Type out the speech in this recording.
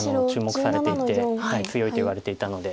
注目されていて強いと言われていたので。